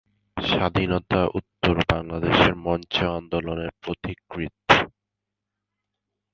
স্বাধীনতা উত্তর বাংলাদেশের মঞ্চ আন্দোলনের পথিকৃৎ।